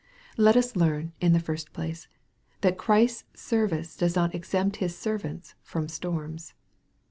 Let us learn, in the first place, that Christ's service does not exempt His servants from storms.